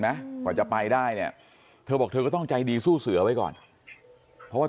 กว่าจะไปได้เนี่ยเธอบอกเธอก็ต้องใจดีสู้เสือไว้ก่อนเพราะว่า